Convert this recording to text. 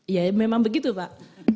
ya memang begitu pak